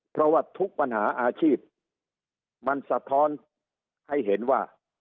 เพราะว่าทุกปัญหาอาชีพมันสะท้อนให้เห็นว่า